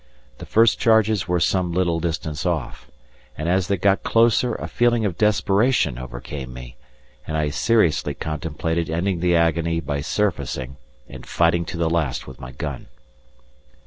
The first charges were some little distance off, and as they got closer a feeling of desperation overcame me, and I seriously contemplated ending the agony by surfacing and fighting to the last with my gun.